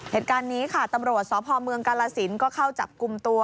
เหตุการณ์นี้ค่ะตำรวจสพเมืองกาลสินก็เข้าจับกลุ่มตัว